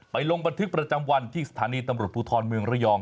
ลงบันทึกประจำวันที่สถานีตำรวจภูทรเมืองระยอง